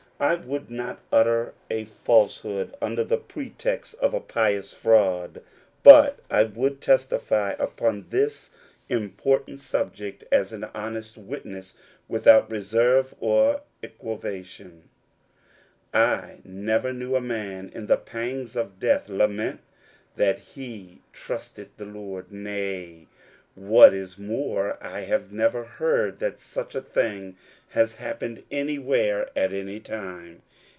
I would not utter a falsehood The Rule Without Exception, 8i under the pretext of a pious fraud, but I would testify upon this important subject as an honest witness without reserve or equivocation. I never knew a man in the pangs of death lament that he trusted the Saviour. Nay, what is more, I have never heard that such a thing has happened any where at any time.